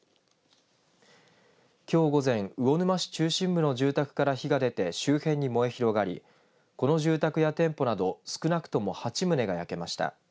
きょう午前魚沼市中心部の住宅から火が出て周辺に燃え広がりこの住宅や店舗など少なくとも８棟が焼けました。